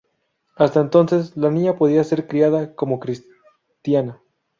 Hasta entonces, la niña podía ser criada como cristiana.